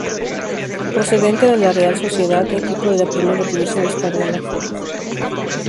Procedente de la Real Sociedad, equipo de la Primera división española.